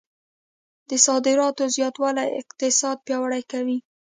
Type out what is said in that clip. د صادراتو زیاتوالی اقتصاد پیاوړی کوي.